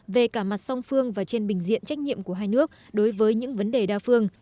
về cả mặt song phương và trên bình diện trách nhiệm của hai nước đối với những vấn đề đa phương